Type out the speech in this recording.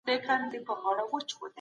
څوک چې یې له پامه وغورځوي ناکامېږي.